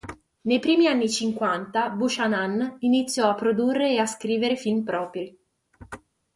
Nei primi anni cinquanta, Buchanan iniziò a produrre e a scrivere film propri.